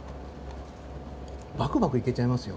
バクバクいけちゃいますよ